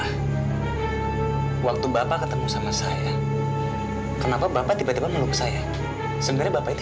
hai waktu bapak ketebak sama saya kenapa bapak tiba tiba menunggu saya sendiri bapak itu